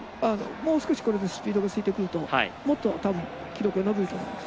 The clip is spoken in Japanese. もう少し、これでスピードついてくるともっと記録伸びると思います。